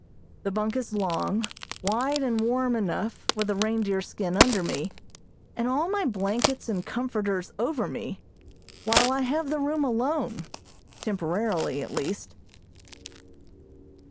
The bunk is long, wide and warm enough with a reindeer skin under me, and all my blankets and comforters over me, while I have the room alone, temporarily, at least.